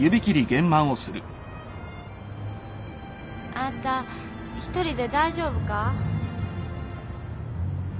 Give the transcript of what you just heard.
あんた一人で大丈夫か？